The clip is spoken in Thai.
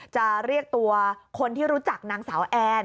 จะเรียกตัวคนที่รู้จักนางสาวแอน